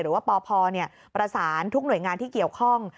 หรือว่าปพประสานทุกหน่วยงานที่เกี่ยวข้อง